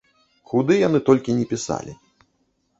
Куды яны толькі ні пісалі.